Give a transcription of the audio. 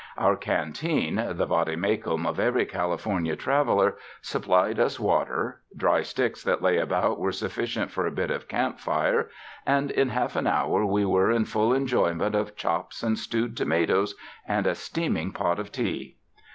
Our canteen, the vade mecum of every California trav eler, supplied us water, dry sticks that lay about were sufficient for a bit of camp fire, and in half an hour we Were in full enjoyment of chops and stewed tomatoes and a steaming pot of tea.